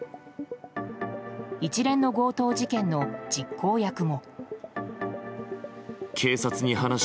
一連の強盗事件の実行役も。